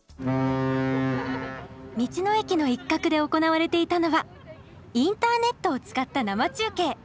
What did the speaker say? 道の駅の一角で行われていたのはインターネットを使った生中継。